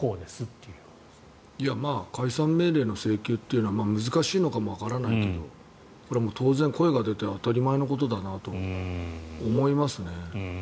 解散命令の請求は難しいのかもしれないけどこれは当然、声が出て当たり前のことだと思いますね。